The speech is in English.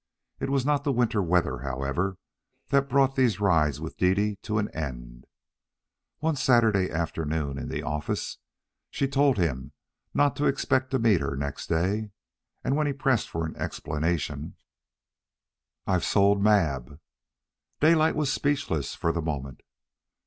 It was not the winter weather, however, that brought these rides with Dede to an end. One Saturday afternoon in the office she told him not to expect to meet her next day, and, when he pressed for an explanation: "I've sold Mab." Daylight was speechless for the moment.